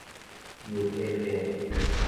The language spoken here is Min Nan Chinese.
油沫沫